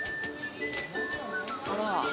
あら！